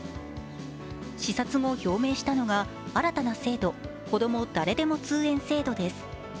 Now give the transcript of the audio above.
視察後、表明したのが新たな制度、こども誰でも通園制度です。